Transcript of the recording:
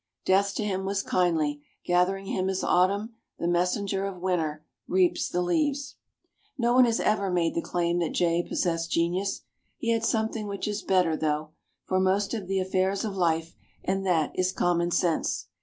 Death to him was kindly, gathering him as Autumn, the messenger of Winter, reaps the leaves. No one has ever made the claim that Jay possessed genius. He had something which is better, though, for most of the affairs of life, and that is commonsense.